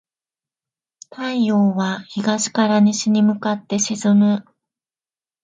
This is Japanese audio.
太陽は東から西に向かって沈む。